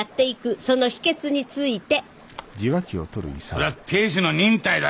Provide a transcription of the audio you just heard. それは亭主の忍耐だよ。